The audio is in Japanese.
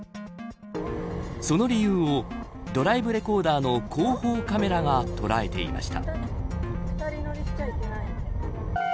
その理由をドライブレコーダーの後方カメラが捉えていました。